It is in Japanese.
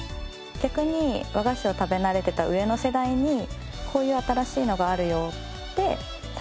逆に和菓子を食べ慣れてた上の世代にこういう新しいのがあるよって食べた写真を送ってくれたりとか。